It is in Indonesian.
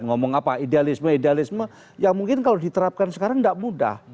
ngomong apa idealisme idealisme yang mungkin kalau diterapkan sekarang tidak mudah